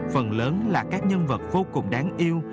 phần lớn là các nhân vật vô cùng đáng yêu